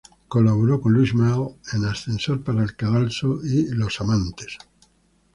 Colaboró con Louis Malle en "Ascensor para el cadalso" y "Los amantes".